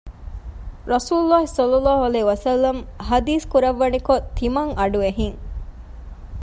ރަސޫލު ﷲ ﷺ ޙަދީޘް ކުރައްވަނިކޮށް ތިމަން އަޑު އެހިން